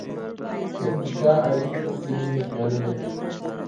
د انشأ اړین توکي نوي خیالونه دي.